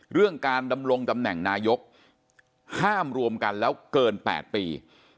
เรื่องการดำรงตำแหน่งนายกห้ามรวมกันแล้วเกิน๘ปี